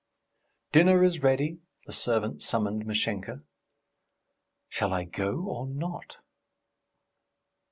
"Dinner is ready," the servant summoned Mashenka. "Shall I go, or not?"